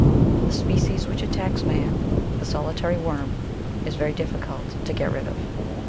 The species which attacks man, " the solitary worm," is very difficult to get rid of.